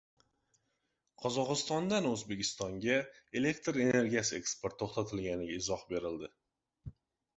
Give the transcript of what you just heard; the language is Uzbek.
Qozog‘istondan O‘zbekistonga elektr energiyasi eksporti to‘xtatilganiga izoh berildi